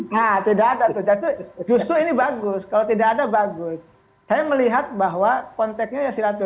nah tidak ada tuh justru ini bagus kalau tidak ada bagus saya melihat bahwa konteknya ya silaturahmi